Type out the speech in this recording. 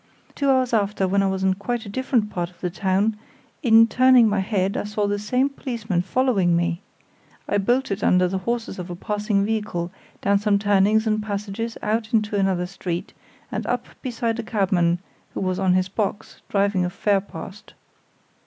Two hours after, when I was in quite a different part of the town, in turning my head I saw the same policeman following me. I bolted under the horses of a passing vehicle, down some turnings and passages, out into another street, and up beside a cabman who was on his box, driving a fare past.